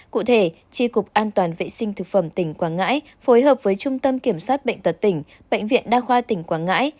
cụ thể tri cục an toàn vệ sinh thực phẩm tỉnh quảng ngãi phối hợp với trung tâm kiểm soát bệnh tật tỉnh bệnh viện đa khoa tỉnh quảng ngãi